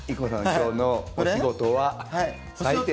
今日のお仕事は採点。